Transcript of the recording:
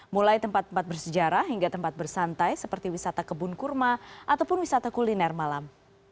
mulai tempat tempat bersejarah hingga tempat bersantai seperti wisata kebun kurma ataupun wisata kuliner malam